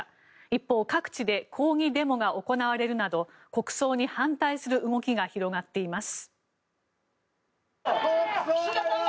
一方、各地で抗議デモが行われるなど国葬に反対する動きが広がっています。